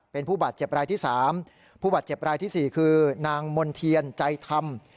เป็นผู้บาดเจ็บรายที่๓ผู้บาดเจ็บรายที่๔คือนางมณ์เทียนใจธรรม